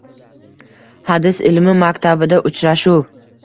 Hadis ilmi maktabida uchrashuv